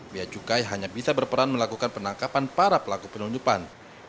bia cukai hanya bisa berperan melakukan penangkapan para pelaku penyelundupan